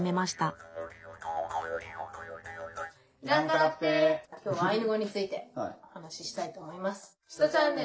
今日はアイヌ語についてお話ししたいと思います。